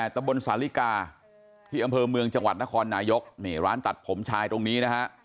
ตะบนสาลิกาที่อำเภอเมืองจังหวัดนครนายกนี่ร้านตัดผมชายตรงนี้นะฮะ